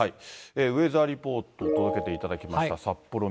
ウェザーリポート届けていただきました。